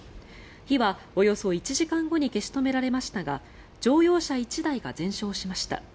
火はおよそ１時間後に消し止められましたが乗用車１台が全焼しました。